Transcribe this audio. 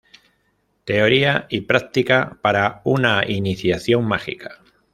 Teoría y práctica para una iniciación mágica.